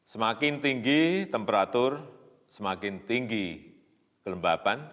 semakin tinggi temperatur semakin tinggi kelembaban